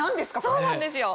そうなんですよ！